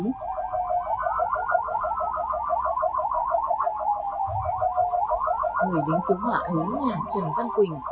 người lính cứu họa ấy là trần văn quỳnh